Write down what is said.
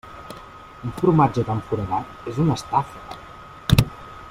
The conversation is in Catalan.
Un formatge tan foradat és una estafa!